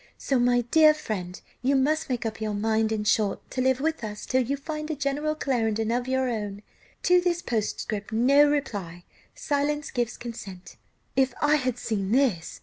So, my dear friend, you must make up your mind in short to live with us till you find a General Clarendon of your own. To this postscript no reply silence gives consent." "If I had seen this!"